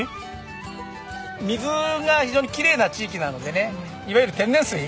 水が非常にきれいな地域なのでねいわゆる天然水。